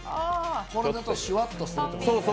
シュワッとするってことですね。